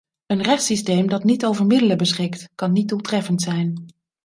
Een rechtssysteem dat niet over middelen beschikt, kan niet doeltreffend zijn.